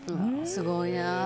すごいな。